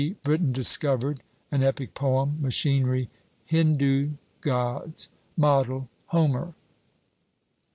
Britain Discovered, an Epic Poem. Machinery Hindu Gods. Model HOMER.